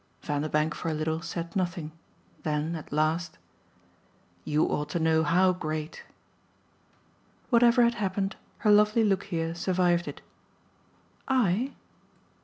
Vanderbank for a little said nothing; then at last: "You ought to know how great!" Whatever had happened her lovely look here survived it. "I?"